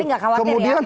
tapi gak khawatir ya